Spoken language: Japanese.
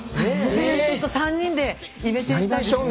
ちょっと３人でイメチェンしたいですね。